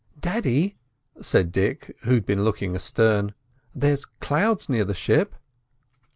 "Daddy," said Dick, who had been looking astern, "there's clouds near the ship."